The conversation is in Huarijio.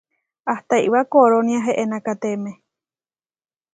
Ahta iʼwá korónia eʼenakatemé.